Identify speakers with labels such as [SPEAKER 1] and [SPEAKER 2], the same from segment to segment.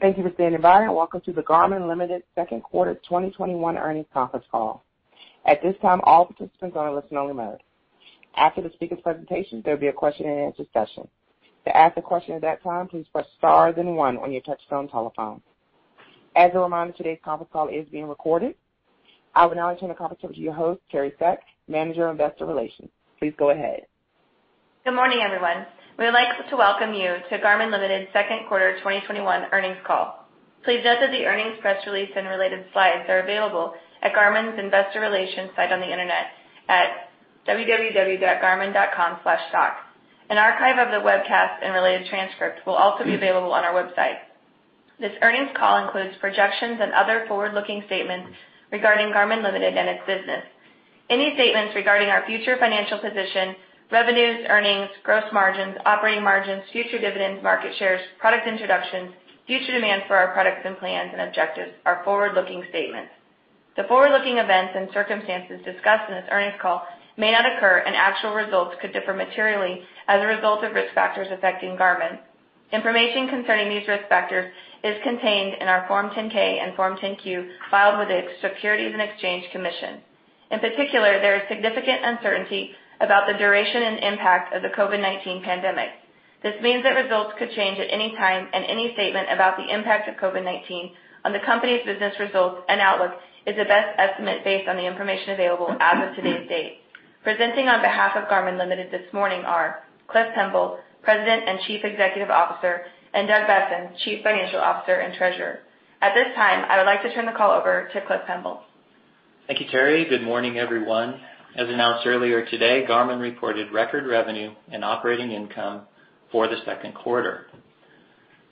[SPEAKER 1] Thank you for standing by, and welcome to the Garmin Ltd. Second Quarter 2021 Earnings Conference Call. I will now turn the conference over to your host, Teri Seck, Manager of Investor Relations. Please go ahead.
[SPEAKER 2] Good morning, everyone. We would like to welcome you to Garmin Ltd.'s Second Quarter 2021 Earnings Call. Please note that the earnings press release and related slides are available at Garmin's investor relations site on the internet at www.garmin.com/stock. An archive of the webcast and related transcript will also be available on our website. This earnings call includes projections and other forward-looking statements regarding Garmin Ltd. and its business. Any statements regarding our future financial position, revenues, earnings, gross margins, operating margins, future dividends, market shares, product introductions, future demand for our products, and plans and objectives are forward-looking statements. The forward-looking events and circumstances discussed in this earnings call may not occur, and actual results could differ materially as a result of risk factors affecting Garmin. Information concerning these risk factors is contained in our Form 10-K and Form 10-Q filed with the Securities and Exchange Commission. In particular, there is significant uncertainty about the duration and impact of the COVID-19 pandemic. This means that results could change at any time, and any statement about the impact of COVID-19 on the company's business results and outlook is a best estimate based on the information available as of today's date. Presenting on behalf of Garmin Ltd. this morning are Clifton Pemble, President and Chief Executive Officer, and Doug Boessen, Chief Financial Officer and Treasurer. At this time, I would like to turn the call over to Clifton Pemble.
[SPEAKER 3] Thank you, Teri. Good morning, everyone. As announced earlier today, Garmin reported record revenue and operating income for the second quarter.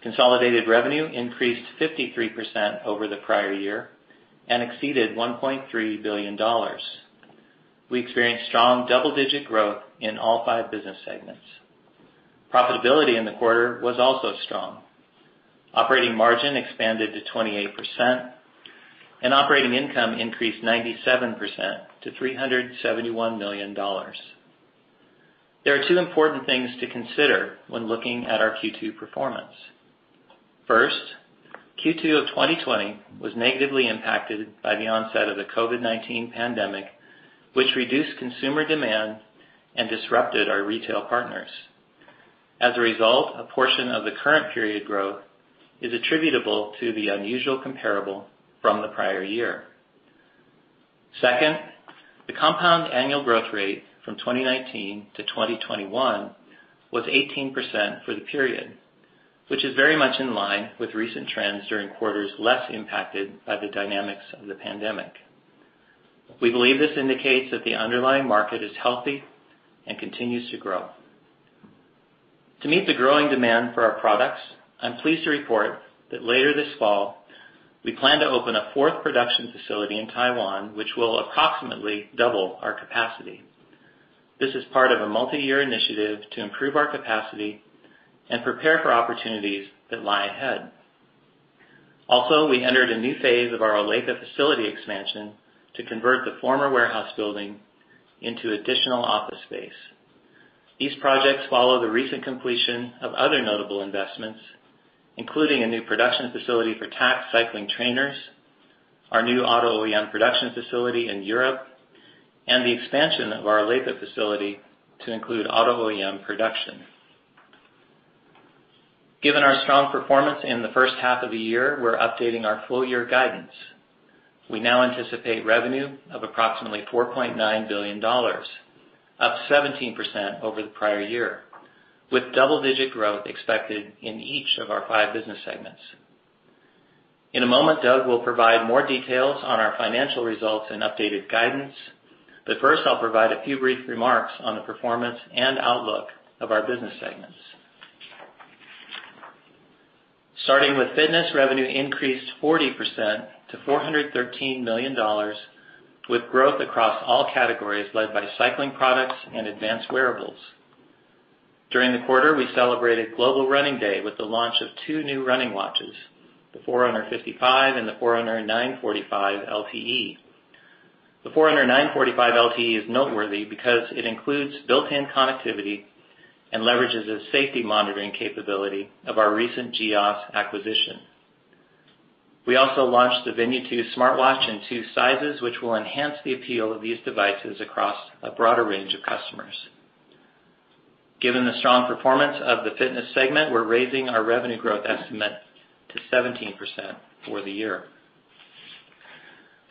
[SPEAKER 3] Consolidated revenue increased 53% over the prior year and exceeded $1.3 billion. We experienced strong double-digit growth in all five business segments. Profitability in the quarter was also strong. Operating margin expanded to 28%, and operating income increased 97% to $371 million. There are two important things to consider when looking at our Q2 performance. First, Q2 of 2020 was negatively impacted by the onset of the COVID-19 pandemic, which reduced consumer demand and disrupted our retail partners. As a result, a portion of the current period growth is attributable to the unusual comparable from the prior year. Second, the compound annual growth rate from 2019 to 2021 was 18% for the period, which is very much in line with recent trends during quarters less impacted by the dynamics of the pandemic. We believe this indicates that the underlying market is healthy and continues to grow. To meet the growing demand for our products, I'm pleased to report that later this fall, we plan to open a fourth production facility in Taiwan, which will approximately double our capacity. This is part of a multi-year initiative to improve our capacity and prepare for opportunities that lie ahead. We entered a new phase of our Olathe facility expansion to convert the former warehouse building into additional office space. These projects follow the recent completion of other notable investments, including a new production facility for Tacx cycling trainers, our new auto OEM production facility in Europe, and the expansion of our Olathe facility to include auto OEM production. Given our strong performance in the first half of the year, we're updating our full-year guidance. We now anticipate revenue of approximately $4.9 billion, up 17% over the prior year, with double-digit growth expected in each of our five business segments. In a moment, Doug will provide more details on our financial results and updated guidance, but first, I'll provide a few brief remarks on the performance and outlook of our business segments. Starting with Fitness, revenue increased 40% to $413 million, with growth across all categories led by cycling products and advanced wearables. During the quarter, we celebrated Global Running Day with the launch of two new running watches, the Forerunner 55 and the Forerunner 945 LTE. The Forerunner 945 LTE is noteworthy because it includes built-in connectivity and leverages the safety monitoring capability of our recent GEOS acquisition. We also launched the Venu 2 smartwatch in two sizes, which will enhance the appeal of these devices across a broader range of customers. Given the strong performance of the fitness segment, we're raising our revenue growth estimate to 17% for the year.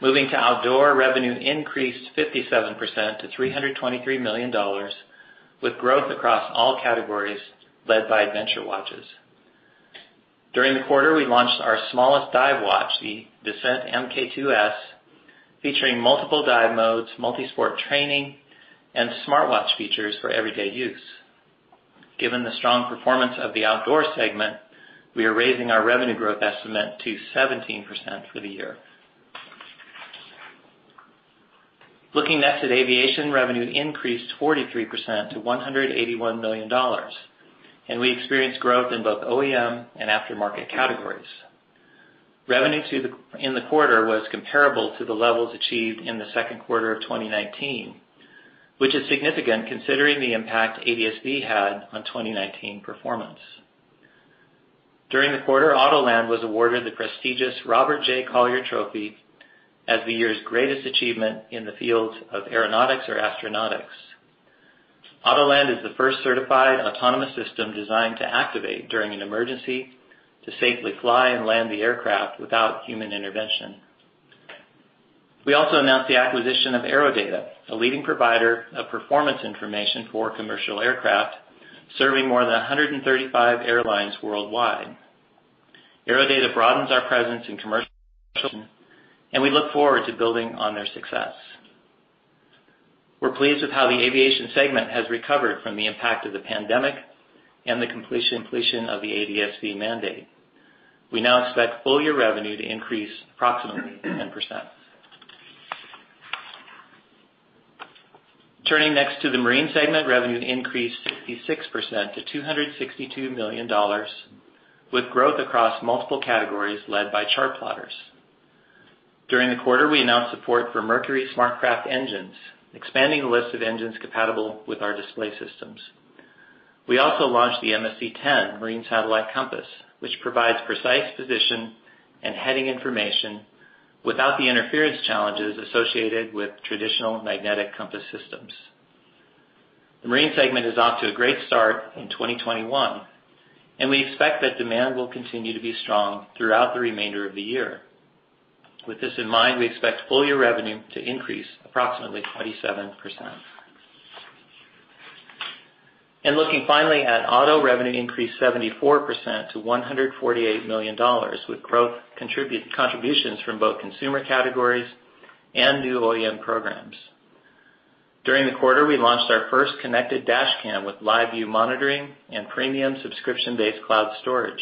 [SPEAKER 3] Moving to outdoor, revenue increased 57% to $323 million, with growth across all categories led by adventure watches. During the quarter, we launched our smallest dive watch, the Descent Mk2S, featuring multiple dive modes, multi-sport training, and smartwatch features for everyday use. Given the strong performance of the outdoor segment, we are raising our revenue growth estimate to 17% for the year. Looking next at aviation, revenue increased 43% to $181 million, and we experienced growth in both OEM and aftermarket categories. Revenue in the quarter was comparable to the levels achieved in the second quarter of 2019, which is significant considering the impact ADS-B had on 2019 performance. During the quarter, Autoland was awarded the prestigious Robert J. Collier Trophy as the year's greatest achievement in the field of aeronautics or astronautics. Autoland is the first certified autonomous system designed to activate during an emergency to safely fly and land the aircraft without human intervention. We also announced the acquisition of AeroData, a leading provider of performance information for commercial aircraft, serving more than 135 airlines worldwide. AeroData broadens our presence in commercial, and we look forward to building on their success. We're pleased with how the aviation segment has recovered from the impact of the pandemic and the completion of the ADS-B mandate. We now expect full-year revenue to increase approximately 10%. Turning next to the marine segment, revenue increased 56% to $262 million, with growth across multiple categories led by chartplotters. During the quarter, we announced support for Mercury SmartCraft engines, expanding the list of engines compatible with our display systems. We also launched the MSC 10 marine satellite compass, which provides precise position and heading information without the interference challenges associated with traditional magnetic compass systems. The marine segment is off to a great start in 2021, we expect that demand will continue to be strong throughout the remainder of the year. With this in mind, we expect full-year revenue to increase approximately 27%. Looking finally at auto revenue increased 74% to $148 million with growth contributions from both consumer categories and new OEM programs. During the quarter, we launched our first connected dash cam with live-view monitoring and premium subscription-based cloud storage.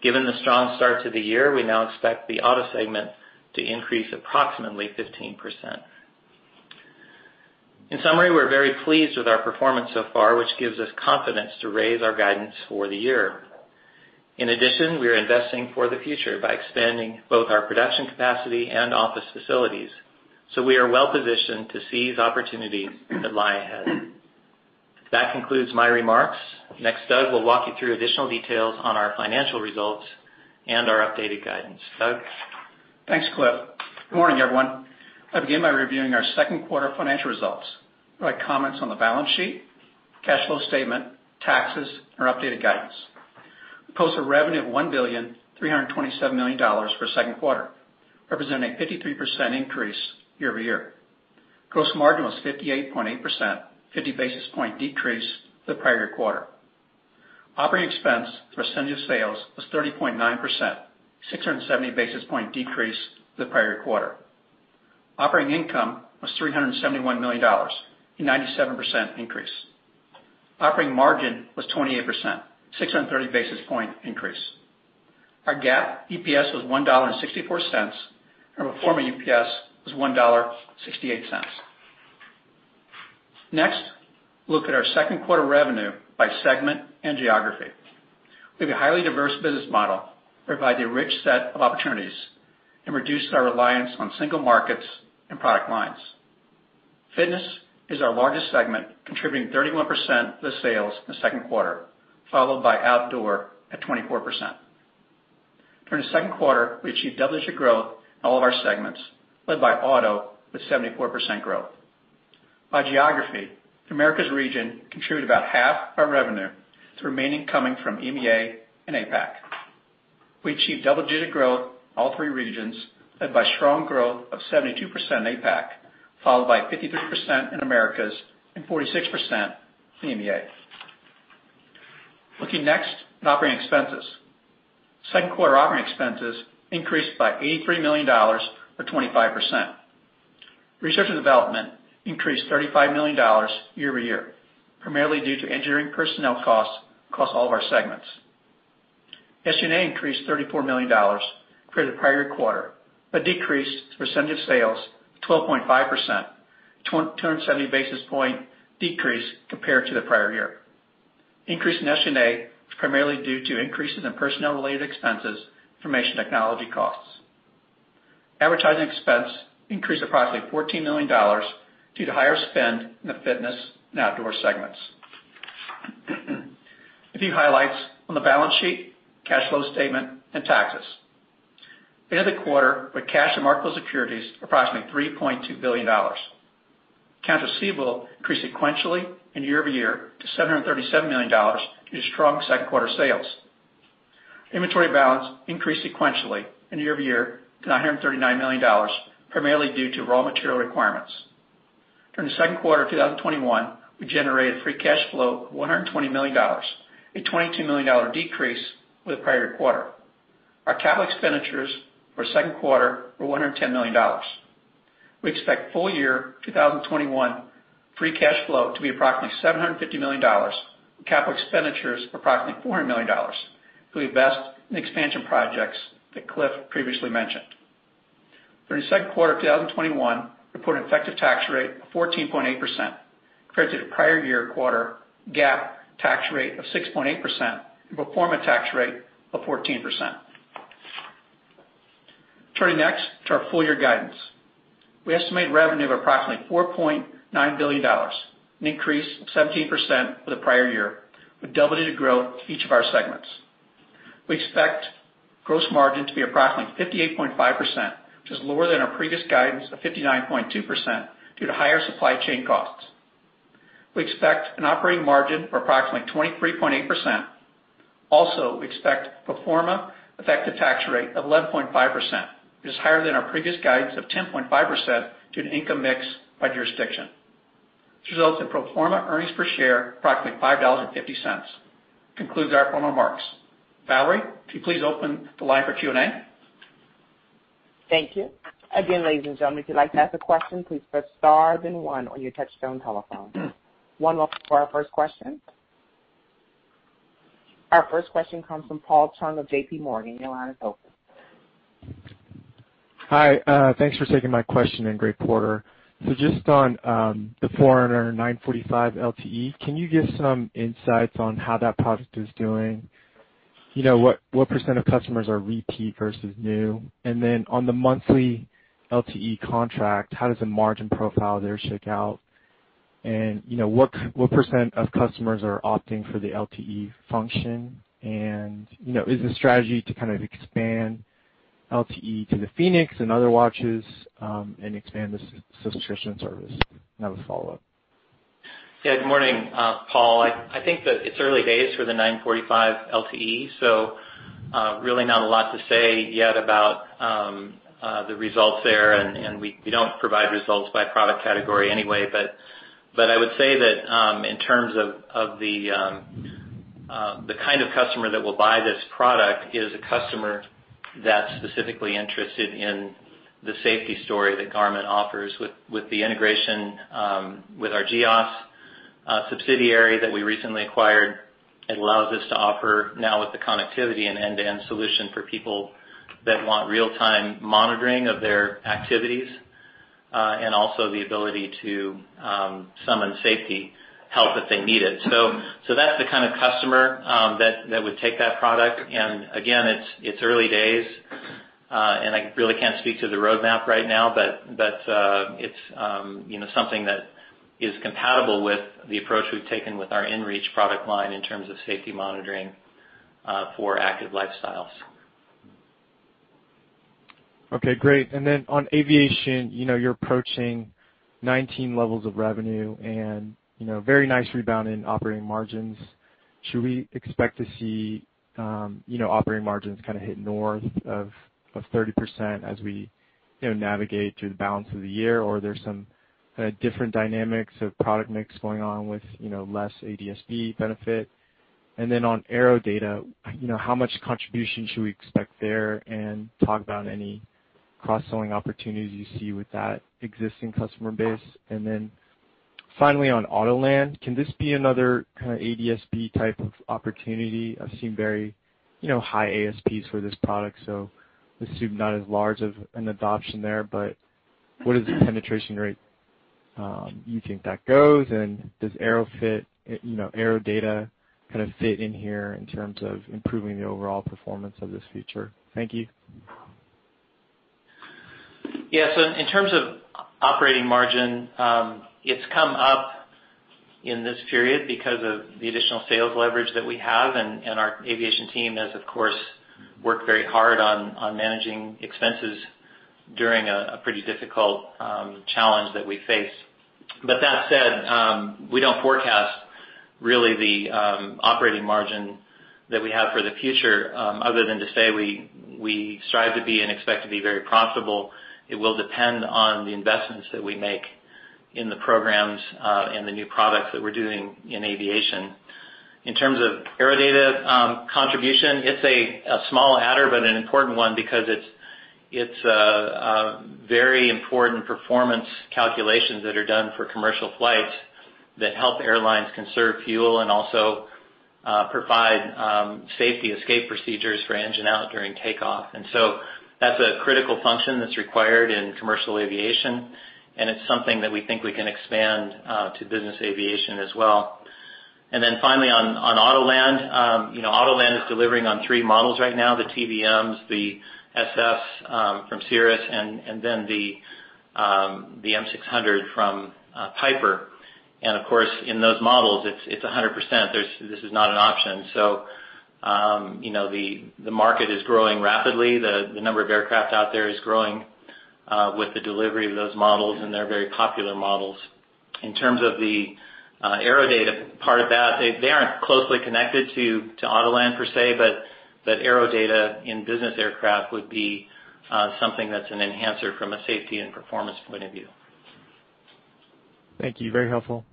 [SPEAKER 3] Given the strong start to the year, we now expect the auto segment to increase approximately 15%. In summary, we're very pleased with our performance so far, which gives us confidence to raise our guidance for the year. In addition, we are investing for the future by expanding both our production capacity and office facilities, so we are well-positioned to seize opportunities that lie ahead. That concludes my remarks. Next, Doug will walk you through additional details on our financial results and our updated guidance. Doug?
[SPEAKER 4] Thanks, Clifton. Good morning, everyone. I begin by reviewing our second quarter financial results. I'd like comments on the balance sheet, cash flow statement, taxes, and our updated guidance. We post a revenue of $1.327 billion for second quarter, representing a 53% increase year-over-year. Gross margin was 58.8%, a 50 basis point decrease to the prior quarter. Operating expense through a percentage of sales was 30.9%, a 670 basis point decrease to the prior quarter. Operating income was $371 million, a 97% increase. Operating margin was 28%, a 630 basis point increase. Our GAAP EPS was $1.64, and our pro forma EPS was $1.68. Next, we look at our second quarter revenue by segment and geography. We have a highly diverse business model, providing a rich set of opportunities and reducing our reliance on single markets and product lines. Fitness is our largest segment, contributing 31% to sales in the second quarter, followed by outdoor at 24%. During the second quarter, we achieved double-digit growth in all of our segments, led by auto with 74% growth. By geography, the Americas region contributed about half our revenue, with the remaining coming from EMEA and APAC. We achieved double-digit growth in all three regions, led by strong growth of 72% in APAC, followed by 53% in Americas and 46% in EMEA. Looking next at operating expenses. Second quarter operating expenses increased by $83 million, or 25%. Research and development increased $35 million year-over-year, primarily due to engineering personnel costs across all of our segments. SG&A increased $34 million compared to the prior quarter, but decreased to a percentage of sales to 12.5%, a 270 basis point decrease compared to the prior year. Increase in SG&A was primarily due to increases in personnel-related expenses, information technology costs. Advertising expense increased approximately $14 million due to higher spend in the fitness and outdoor segments. A few highlights on the balance sheet, cash flow statement, and taxes. At the end of the quarter, with cash and marketable securities approximately $3.2 billion. Accounts receivable increased sequentially and year-over-year to $737 million due to strong second quarter sales. Inventory balance increased sequentially and year-over-year to $939 million, primarily due to raw material requirements. During the second quarter of 2021, we generated free cash flow of $120 million, a $22 million decrease with the prior quarter. Our capital expenditures for the second quarter were $110 million. We expect full-year 2021 free cash flow to be approximately $750 million, capital expenditures approximately $400 million to be invested in expansion projects that Clifton previously mentioned. For the second quarter of 2021, we put an effective tax rate of 14.8%, compared to the prior year quarter GAAP tax rate of 6.8% and pro forma tax rate of 14%. Turning next to our full-year guidance. We estimate revenue of approximately $4.9 billion, an increase of 17% for the prior year, with double-digit growth in each of our segments. We expect gross margin to be approximately 58.5%, which is lower than our previous guidance of 59.2% due to higher supply chain costs. We expect an operating margin of approximately 23.8%. We expect pro forma effective tax rate of 11.5%, which is higher than our previous guidance of 10.5% due to income mix by jurisdiction. This results in pro forma earnings per share approximately $5.50. This concludes our formal remarks. Valerie, if you'd please open the line for Q&A.
[SPEAKER 1] Thank you. Again, ladies and gentlemen, Our first question comes from Paul Chung of JPMorgan. Your line is open.
[SPEAKER 5] Hi. Thanks for taking my question, great quarter. Just on the Forerunner 945 LTE, can you give some insights on how that product is doing? What % of customers are repeat versus new? On the monthly LTE contract, how does the margin profile there shake out? What % of customers are opting for the LTE function? Is the strategy to kind of expand LTE to the Fenix and other watches, and expand the subscription service? I have a follow-up.
[SPEAKER 3] Good morning, Paul. I think that it's early days for the 945 LTE, so really not a lot to say yet about the results there. We don't provide results by product category anyway. I would say that in terms of the kind of customer that will buy this product is a customer that's specifically interested in the safety story that Garmin offers with the integration with our GEOS subsidiary that we recently acquired. It allows us to offer now with the connectivity and end-to-end solution for people that want real-time monitoring of their activities, and also the ability to summon safety help if they need it. That's the kind of customer that would take that product. Again, it's early days, and I really can't speak to the roadmap right now. It's something that is compatible with the approach we've taken with our inReach product line in terms of safety monitoring for active lifestyles.
[SPEAKER 5] Okay. Great. On aviation, you're approaching 2019 levels of revenue and very nice rebound in operating margins. Should we expect to see operating margins hit north of 30% as we navigate through the balance of the year? Or are there some kind of different dynamics of product mix going on with less ADS-B benefit? On AeroData, how much contribution should we expect there? Talk about any cross-selling opportunities you see with that existing customer base. Finally on Autoland, can this be another kind of ADS-B type of opportunity? I've seen very high ASPs for this product, so I assume not as large of an adoption there, but what is the penetration rate you think that goes? Does AeroData kind of fit in here in terms of improving the overall performance of this feature? Thank you.
[SPEAKER 3] Yeah. In terms of operating margin, it's come up in this period because of the additional sales leverage that we have, and our aviation team has, of course, worked very hard on managing expenses during a pretty difficult challenge that we face. That said, we don't forecast really the operating margin that we have for the future other than to say we strive to be and expect to be very profitable. It will depend on the investments that we make in the programs, and the new products that we're doing in aviation. In terms of AeroData contribution, it's a small adder, but an important one because it's very important performance calculations that are done for commercial flights that help airlines conserve fuel and also provide safety escape procedures for engine out during takeoff. That's a critical function that's required in commercial aviation, and it's something that we think we can expand to business aviation as well. Finally on Autoland is delivering on three models right now, the TBMs, the SF from Cirrus, and then the M600 from Piper. Of course, in those models, it's 100%. This is not an option. The market is growing rapidly. The number of aircraft out there is growing with the delivery of those models, and they're very popular models. In terms of the AeroData part of that, they aren't closely connected to Autoland per se, but AeroData in business aircraft would be something that's an enhancer from a safety and performance point of view.
[SPEAKER 5] Thank you. Very helpful.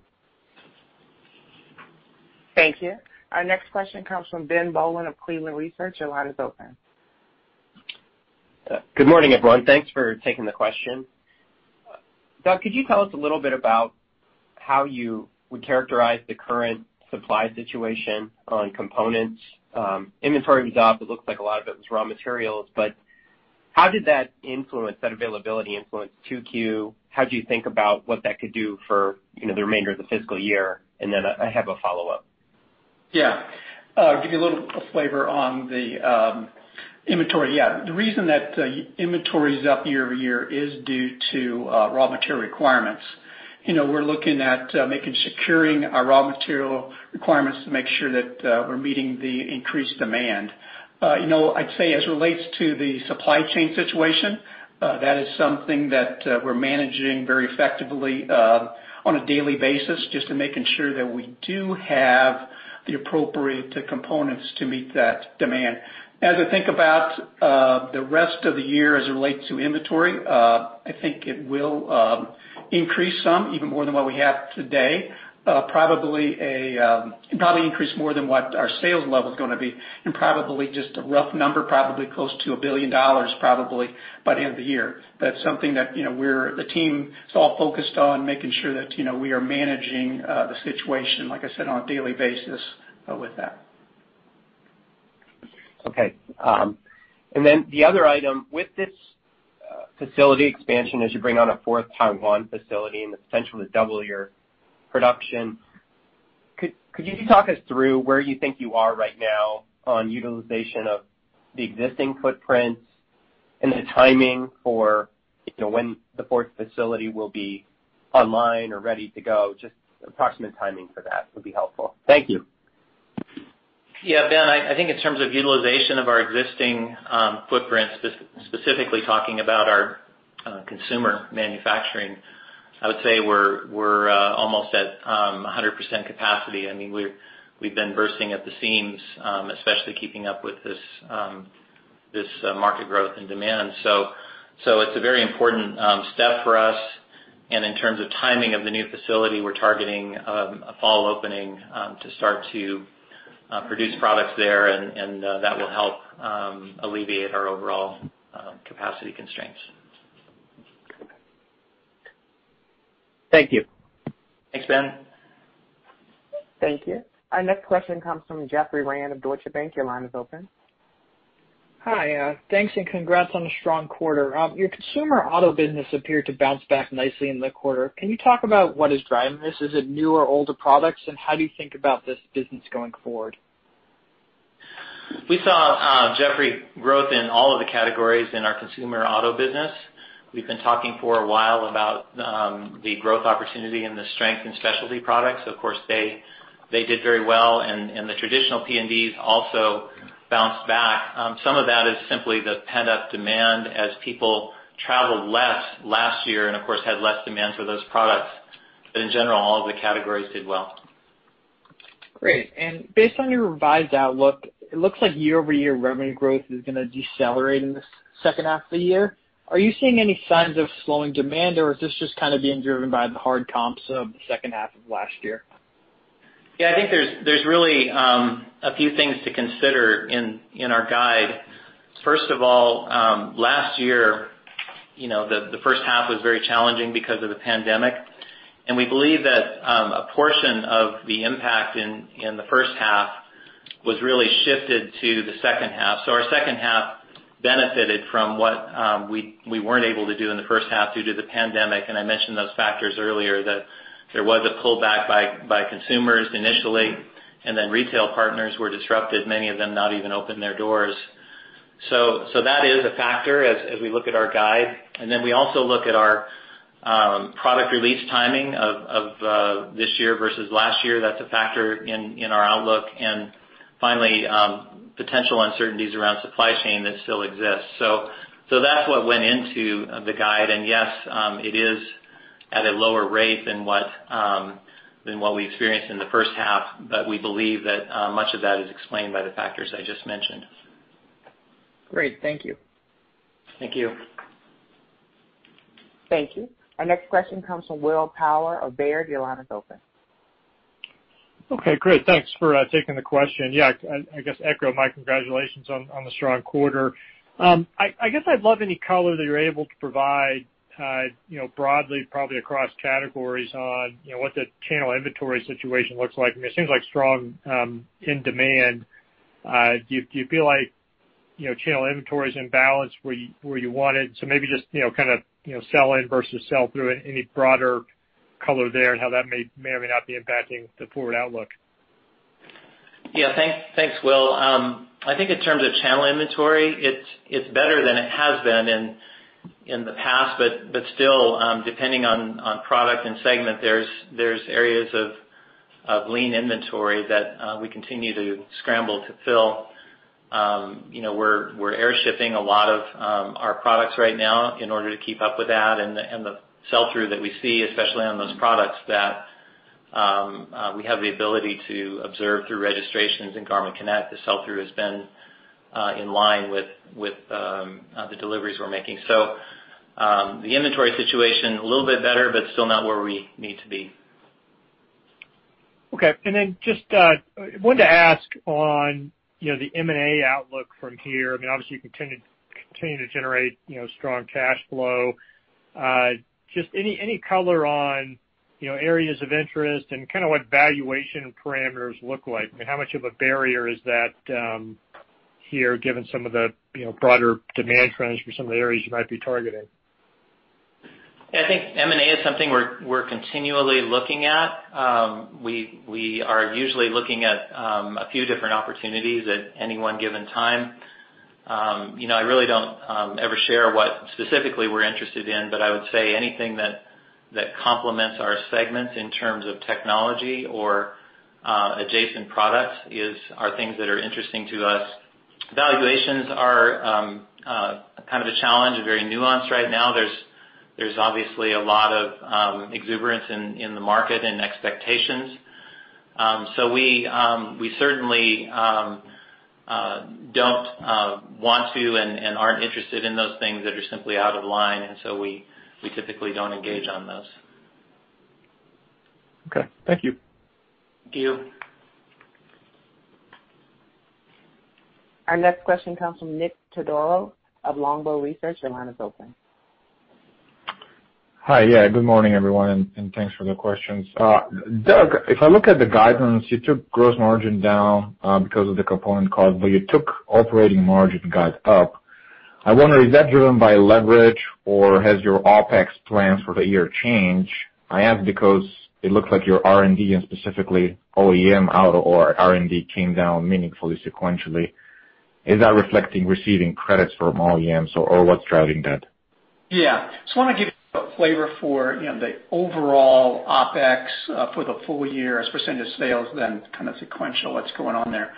[SPEAKER 1] Thank you. Our next question comes from Ben Bollin of Cleveland Research Company. Your line is open.
[SPEAKER 6] Good morning, everyone. Thanks for taking the question. Doug, could you tell us a little bit about how you would characterize the current supply situation on components? Inventory was up, it looks like a lot of it was raw materials, but how did that influence that availability influence 2Q? How do you think about what that could do for the remainder of the fiscal year? I have a follow-up.
[SPEAKER 4] Yeah. Give you a little flavor on the inventory. Yeah. The reason that inventory is up year-over-year is due to raw material requirements. We're looking at securing our raw material requirements to make sure that we're meeting the increased demand. I'd say as it relates to the supply chain situation, that is something that we're managing very effectively on a daily basis, just to making sure that we do have the appropriate components to meet that demand. As I think about the rest of the year as it relates to inventory, I think it will increase some, even more than what we have today. Probably increase more than what our sales level is going to be, and probably just a rough number, probably close to $1 billion probably by the end of the year. That's something that the team is all focused on, making sure that we are managing the situation, like I said, on a daily basis with that.
[SPEAKER 6] Okay. The other item, with this facility expansion as you bring on a fourth Taiwan facility and the potential to double your production, could you talk us through where you think you are right now on utilization of the existing footprints and the timing for when the fourth facility will be online or ready to go? Just approximate timing for that would be helpful. Thank you.
[SPEAKER 3] Yeah, Ben, I think in terms of utilization of our existing footprint, specifically talking about our consumer manufacturing, I would say we're almost at 100% capacity. We've been bursting at the seams, especially keeping up with this market growth and demand. It's a very important step for us, and in terms of timing of the new facility, we're targeting a fall opening to start to produce products there, and that will help alleviate our overall capacity constraints.
[SPEAKER 6] Thank you.
[SPEAKER 3] Thanks, Ben.
[SPEAKER 1] Thank you. Our next question comes from Jeffrey Rand of Deutsche Bank. Your line is open.
[SPEAKER 7] Hi. Thanks and congrats on the strong quarter. Your consumer auto business appeared to bounce back nicely in the quarter. Can you talk about what is driving this? Is it new or older products, and how do you think about this business going forward?
[SPEAKER 3] We saw, Jeffrey, growth in all of the categories in our consumer auto business. We've been talking for a while about the growth opportunity and the strength in specialty products. Of course, they did very well, and the traditional PNDs also bounced back. Some of that is simply the pent-up demand as people traveled less last year and of course, had less demand for those products. In general, all of the categories did well.
[SPEAKER 7] Great. Based on your revised outlook, it looks like year-over-year revenue growth is going to decelerate in the second half of the year. Are you seeing any signs of slowing demand, or is this just kind of being driven by the hard comps of the second half of last year?
[SPEAKER 3] Yeah, I think there's really a few things to consider in our guide. First of all, last year, the first half was very challenging because of the pandemic, and we believe that a portion of the impact in the first half was really shifted to the second half. Our second half benefited from what we weren't able to do in the first half due to the pandemic, and I mentioned those factors earlier, that there was a pullback by consumers initially, and then retail partners were disrupted, many of them not even open their doors. That is a factor as we look at our guide. Then we also look at our product release timing of this year versus last year. That's a factor in our outlook. Finally, potential uncertainties around supply chain that still exists. That's what went into the guide. Yes, it is at a lower rate than what we experienced in the first half, but we believe that much of that is explained by the factors I just mentioned.
[SPEAKER 7] Great. Thank you.
[SPEAKER 3] Thank you.
[SPEAKER 1] Thank you. Our next question comes from Will Power of Baird. Your line is open.
[SPEAKER 8] Okay, great. Thanks for taking the question. I guess echo my congratulations on the strong quarter. I guess I'd love any color that you're able to provide broadly, probably across categories on what the channel inventory situation looks like. I mean, it seems like strong in demand. Do you feel like channel inventory is in balance where you want it? Maybe just kind of sell in versus sell through, any broader color there and how that may or may not be impacting the forward outlook.
[SPEAKER 3] Thanks, Will. I think in terms of channel inventory, it's better than it has been in the past. Still, depending on product and segment, there's areas of lean inventory that we continue to scramble to fill. We're air shipping a lot of our products right now in order to keep up with that and the sell-through that we see, especially on those products that we have the ability to observe through registrations in Garmin Connect, the sell-through has been in line with the deliveries we're making. The inventory situation a little bit better, but still not where we need to be.
[SPEAKER 8] Okay. Just wanted to ask on the M&A outlook from here. Obviously you continue to generate strong cash flow. Just any color on areas of interest and kind of what valuation parameters look like? How much of a barrier is that here, given some of the broader demand trends for some of the areas you might be targeting?
[SPEAKER 3] I think M&A is something we're continually looking at. We are usually looking at a few different opportunities at any one given time. I really don't ever share what specifically we're interested in, but I would say anything that complements our segments in terms of technology or adjacent products are things that are interesting to us. Valuations are kind of a challenge, very nuanced right now. There's obviously a lot of exuberance in the market and expectations. We certainly don't want to and aren't interested in those things that are simply out of line, and so we typically don't engage on those.
[SPEAKER 8] Okay. Thank you.
[SPEAKER 3] Thank you.
[SPEAKER 1] Our next question comes from Nik Todorov of Longbow Research. Your line is open.
[SPEAKER 9] Hi. Good morning, everyone, and thanks for the questions. Doug, if I look at the guidance, you took gross margin down because of the component cost, but you took operating margin guide up. I wonder, is that driven by leverage, or has your OpEx plans for the year changed? I ask because it looks like your R&D and specifically OEM auto or R&D came down meaningfully sequentially. Is that reflecting receiving credits from OEMs or what's driving that?
[SPEAKER 4] I want to give a flavor for the overall OpEx for the full-year as a % of sales, then kind of sequential, what's going on there?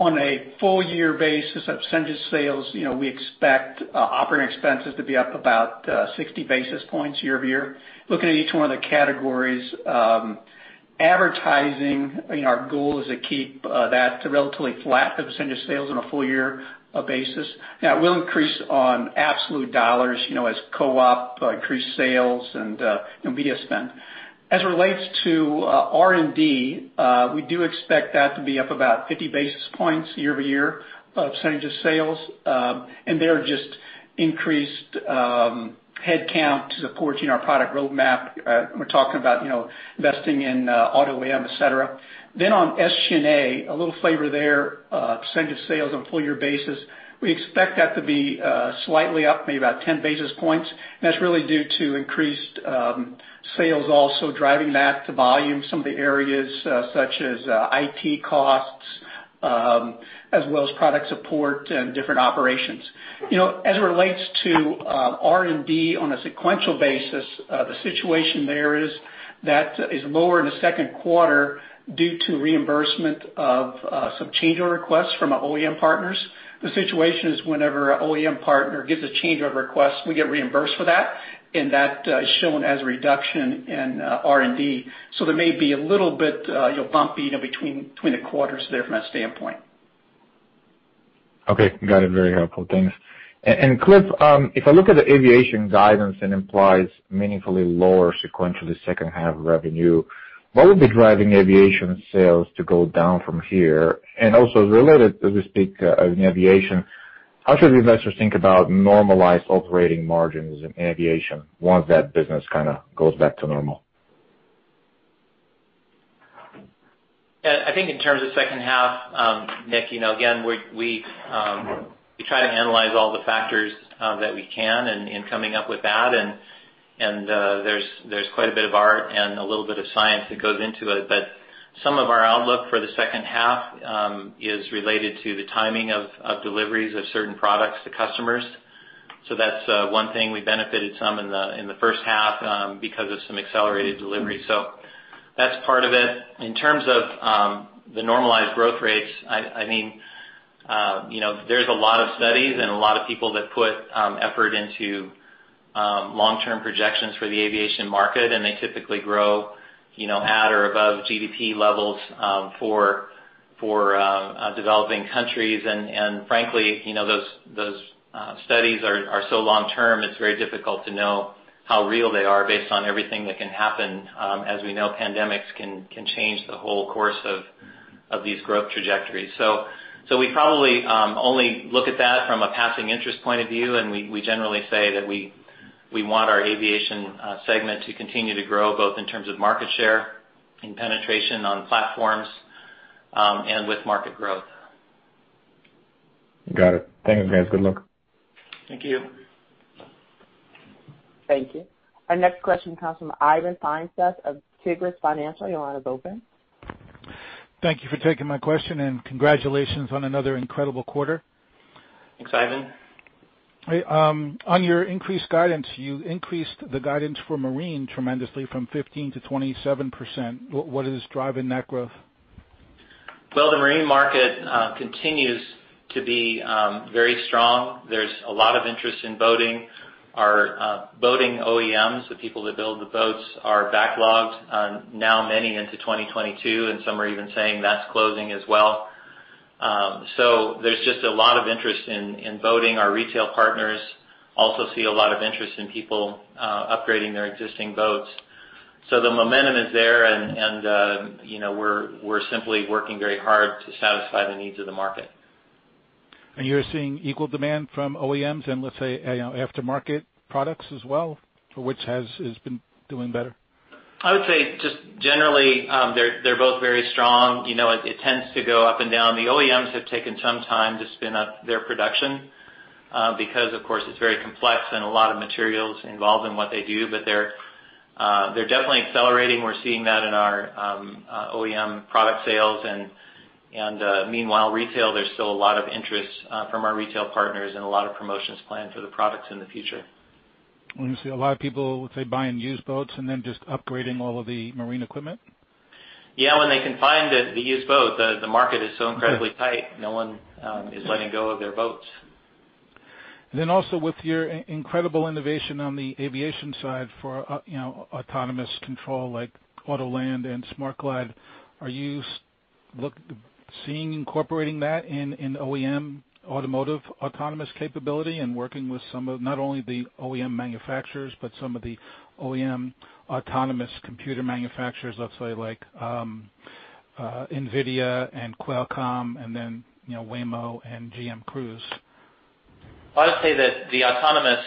[SPEAKER 4] On a full-year basis of % of sales, we expect operating expenses to be up about 60 basis points year-over-year. Looking at each one of the categories, advertising, our goal is to keep that to relatively flat as a % of sales on a full-year basis. That will increase on absolute dollars as co-op increase sales and media spend. As it relates to R&D, we do expect that to be up about 50 basis points year-over-year of % of sales. There just increased headcount to support our product roadmap. We're talking about investing in auto OEM, et cetera. On SG&A, a little flavor there, percentage of sales on a full-year basis, we expect that to be slightly up maybe about 10 basis points. That is really due to increased sales also driving that to volume some of the areas such as IT costs, as well as product support and different operations. As it relates to R&D on a sequential basis, the situation there is that is lower in the second quarter due to reimbursement of some change of requests from our OEM partners. The situation is whenever an OEM partner gives a change of request, we get reimbursed for that, and that is shown as a reduction in R&D. So there may be a little bit bump between the quarters there from that standpoint.
[SPEAKER 9] Okay. Got it. Very helpful. Thanks. Clifton, if I look at the aviation guidance and implies meaningfully lower sequentially second half revenue, what would be driving aviation sales to go down from here? Also related, as we speak in aviation, how should the investors think about normalized operating margins in aviation once that business kind of goes back to normal?
[SPEAKER 3] I think in terms of second half, Nik, again, we try to analyze all the factors that we can in coming up with that, and there's quite a bit of art and a little bit of science that goes into it. Some of our outlook for the second half is related to the timing of deliveries of certain products to customers. That's one thing we benefited some in the first half because of some accelerated deliveries. That's part of it. In terms of the normalized growth rates, there's a lot of studies and a lot of people that put effort into long-term projections for the aviation market, and they typically grow at or above GDP levels for developing countries. Frankly, those studies are so long-term, it's very difficult to know how real they are based on everything that can happen. As we know, pandemics can change the whole course of these growth trajectories. We probably only look at that from a passing interest point of view, and we generally say that we want our aviation segment to continue to grow, both in terms of market share and penetration on platforms, and with market growth.
[SPEAKER 9] Got it. Thanks, guys. Good luck.
[SPEAKER 3] Thank you.
[SPEAKER 1] Thank you. Our next question comes from Ivan Feinseth of Tigress Financial. Your line is open.
[SPEAKER 10] Thank you for taking my question, and congratulations on another incredible quarter.
[SPEAKER 3] Thanks, Ivan.
[SPEAKER 10] On your increased guidance, you increased the guidance for marine tremendously from 15%-27%. What is driving that growth?
[SPEAKER 3] Well, the marine market continues to be very strong. There's a lot of interest in boating. Our boating OEMs, the people that build the boats, are backlogged now many into 2022, and some are even saying that's closing as well. There's just a lot of interest in boating. Our retail partners also see a lot of interest in people upgrading their existing boats. The momentum is there, and we're simply working very hard to satisfy the needs of the market.
[SPEAKER 10] You're seeing equal demand from OEMs and, let's say, aftermarket products as well? Or which has been doing better?
[SPEAKER 3] I would say just generally, they're both very strong. It tends to go up and down. The OEMs have taken some time to spin up their production, because, of course, it's very complex and a lot of materials involved in what they do, but they're definitely accelerating. We're seeing that in our OEM product sales. Meanwhile, retail, there's still a lot of interest from our retail partners and a lot of promotions planned for the products in the future.
[SPEAKER 10] You see a lot of people, let's say, buying used boats and then just upgrading all of the marine equipment?
[SPEAKER 3] When they can find the used boat. The market is so incredibly tight, no one is letting go of their boats.
[SPEAKER 10] Also with your incredible innovation on the aviation side for autonomous control like Autoland and Smart Glide, are you seeing incorporating that in OEM automotive autonomous capability and working with some of not only the OEM manufacturers, but some of the OEM autonomous computer manufacturers, let's say like NVIDIA and Qualcomm and then Waymo and GM Cruise?
[SPEAKER 3] I would say that the autonomous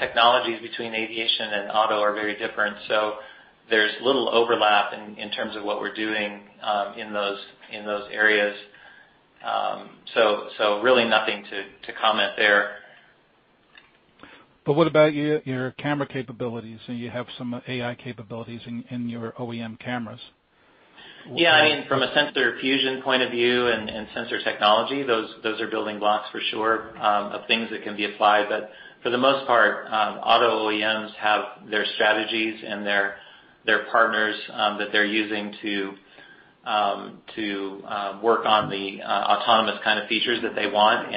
[SPEAKER 3] technologies between aviation and auto are very different, so there's little overlap in terms of what we're doing in those areas. Really nothing to comment there.
[SPEAKER 10] What about your camera capabilities? You have some AI capabilities in your OEM cameras.
[SPEAKER 3] Yeah. From a sensor fusion point of view and sensor technology, those are building blocks for sure of things that can be applied. For the most part, auto OEMs have their strategies and their partners that they're using to work on the autonomous kind of features that they want.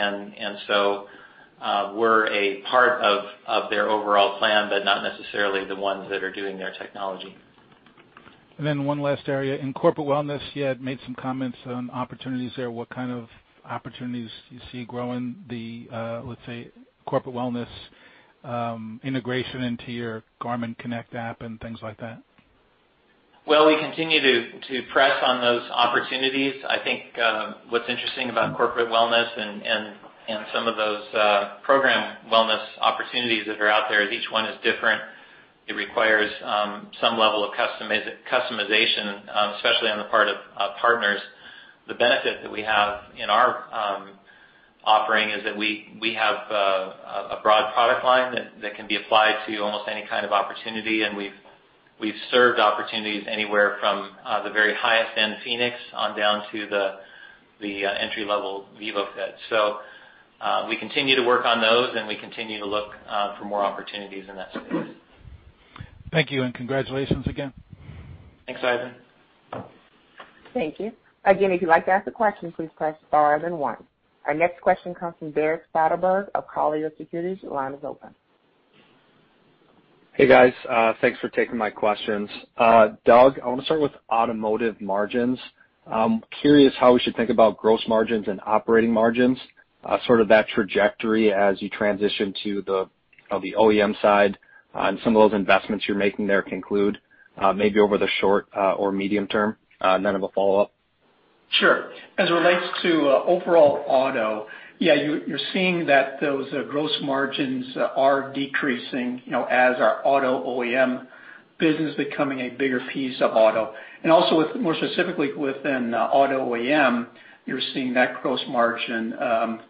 [SPEAKER 3] We're a part of their overall plan, but not necessarily the ones that are doing their technology.
[SPEAKER 10] One last area. In corporate wellness, you had made some comments on opportunities there. What kind of opportunities do you see growing the, let's say, corporate wellness integration into your Garmin Connect app and things like that?
[SPEAKER 3] Well, we continue to press on those opportunities. I think what's interesting about corporate wellness and some of those program wellness opportunities that are out there is each one is different. It requires some level of customization, especially on the part of partners. The benefit that we have in our offering is that we have a broad product line that can be applied to almost any kind of opportunity, and we've served opportunities anywhere from the very highest end Fenix on down to the entry level vívofit. We continue to work on those, and we continue to look for more opportunities in that space.
[SPEAKER 10] Thank you, and congratulations again.
[SPEAKER 3] Thanks, Ivan.
[SPEAKER 1] Thank you. Again, if you'd like to ask a question, please press star then one. Our next question comes from Derek Soderberg of Colliers Securities. Your line is open.
[SPEAKER 11] Hey, guys. Thanks for taking my questions. Doug, I want to start with automotive margins. I'm curious how we should think about gross margins and operating margins, sort of that trajectory as you transition to the OEM side and some of those investments you're making there conclude maybe over the short or medium term. I have a follow-up.
[SPEAKER 4] Sure. As it relates to overall auto, yeah, you're seeing that those gross margins are decreasing as our auto OEM business becoming a bigger piece of auto. Also more specifically within auto OEM, you're seeing that gross margin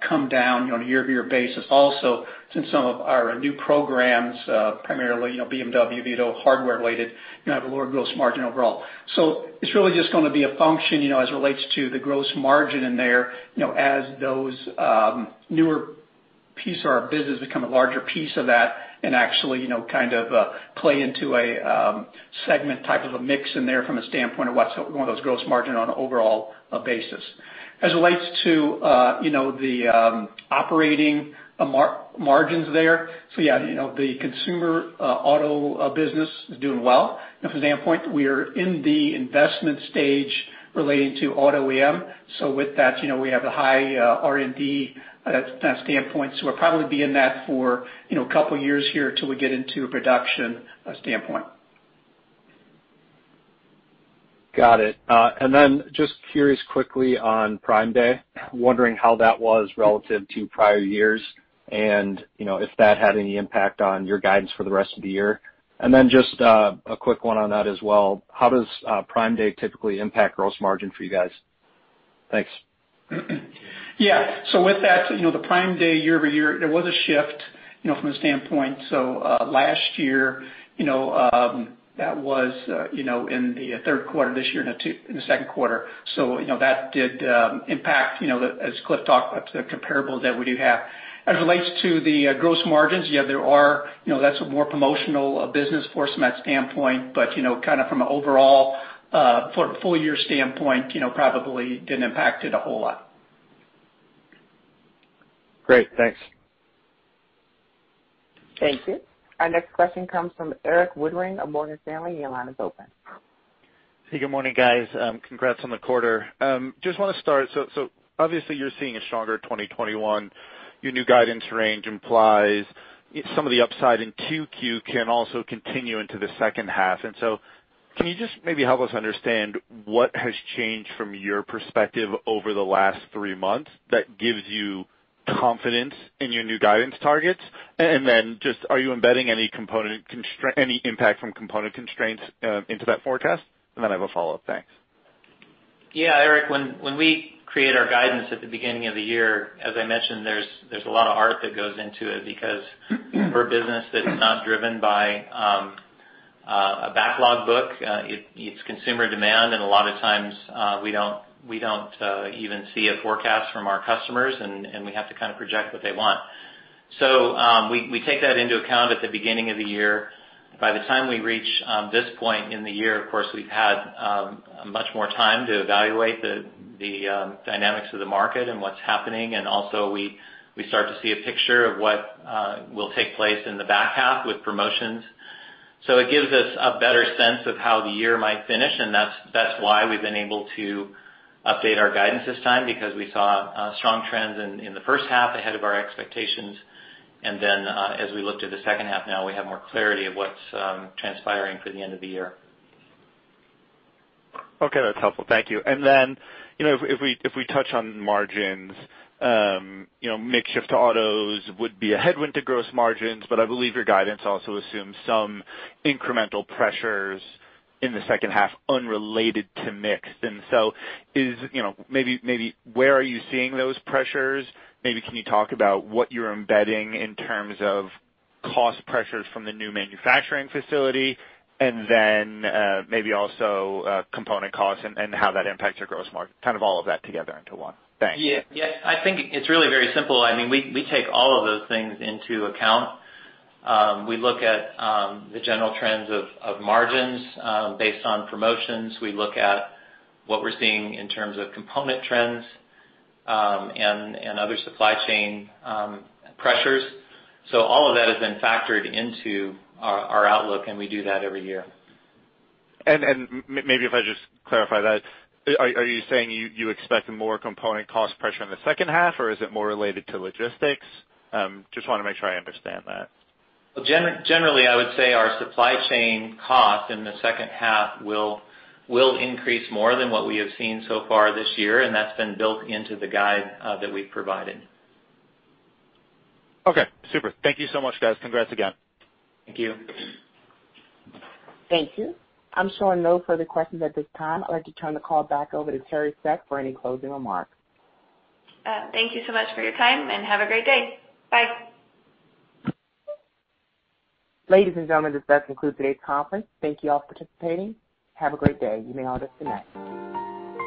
[SPEAKER 4] come down on a year-over-year basis. Also, since some of our new programs, primarily BMW V2L hardware related, have a lower gross margin overall. It's really just going to be a function as it relates to the gross margin in there, as those newer piece of our business become a larger piece of that and actually kind of play into a segment type of a mix in there from a standpoint of what's going on with gross margin on an overall basis. As it relates to the operating margins there, yeah, the consumer auto business is doing well. From a standpoint, we are in the investment stage relating to auto OEM. With that, we have a high R&D standpoint. We'll probably be in that for a couple of years here till we get into a production standpoint.
[SPEAKER 11] Got it. Just curious quickly on Prime Day, wondering how that was relative to prior years and if that had any impact on your guidance for the rest of the year. Just a quick one on that as well. How does Prime Day typically impact gross margin for you guys? Thanks.
[SPEAKER 4] With that, the Prime Day year-over-year, there was a shift from a standpoint. Last year, that was in the third quarter, this year in the second quarter. That did impact, as Clifton talked about, the comparable that we do have. As it relates to the gross margins, yeah, that's a more promotional business for us from that standpoint. Kind of from an overall full-year standpoint, probably didn't impact it a whole lot.
[SPEAKER 11] Great. Thanks.
[SPEAKER 1] Thank you. Our next question comes from Erik Woodring of Morgan Stanley. Your line is open.
[SPEAKER 12] Hey, good morning, guys. Congrats on the quarter. Obviously you're seeing a stronger 2021. Your new guidance range implies some of the upside in Q2 can also continue into the second half. Can you just maybe help us understand what has changed from your perspective over the last three months that gives you confidence in your new guidance targets? Are you embedding any impact from component constraints into that forecast? I have a follow-up. Thanks.
[SPEAKER 3] Yeah, Erik, when we create our guidance at the beginning of the year, as I mentioned, there's a lot of art that goes into it because for a business that's not driven by a backlog book, it's consumer demand and a lot of times we don't even see a forecast from our customers and we have to kind of project what they want. We take that into account at the beginning of the year. By the time we reach this point in the year, of course, we've had much more time to evaluate the dynamics of the market and what's happening. Also we start to see a picture of what will take place in the back half with promotions. It gives us a better sense of how the year might finish, and that's why we've been able to update our guidance this time because we saw strong trends in the first half ahead of our expectations. As we looked at the second half, now we have more clarity of what's transpiring for the end of the year.
[SPEAKER 12] Okay, that's helpful. Thank you. If we touch on margins, mix shift to autos would be a headwind to gross margins, but I believe your guidance also assumes some incremental pressures in the second half unrelated to mix. Maybe where are you seeing those pressures? Maybe can you talk about what you're embedding in terms of cost pressures from the new manufacturing facility? Maybe also component costs and how that impacts your gross margin, kind of all of that together into one. Thanks.
[SPEAKER 3] I think it's really very simple. We take all of those things into account. We look at the general trends of margins based on promotions. We look at what we're seeing in terms of component trends and other supply chain pressures. All of that has been factored into our outlook, and we do that every year.
[SPEAKER 12] Maybe if I just clarify that, are you saying you expect more component cost pressure in the second half, or is it more related to logistics? Just want to make sure I understand that.
[SPEAKER 3] Generally, I would say our supply chain cost in the second half will increase more than what we have seen so far this year, and that's been built into the guide that we've provided.
[SPEAKER 12] Okay, super. Thank you so much, guys. Congrats again.
[SPEAKER 3] Thank you.
[SPEAKER 1] Thank you. I'm showing no further questions at this time. I'd like to turn the call back over to Teri Seck for any closing remarks.
[SPEAKER 2] Thank you so much for your time, and have a great day. Bye.
[SPEAKER 1] Ladies and gentlemen, this does conclude today's conference. Thank you all for participating. Have a great day. You may all disconnect.